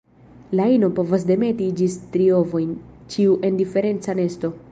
La ino povas demeti ĝis tri ovojn, ĉiu en diferenca nesto.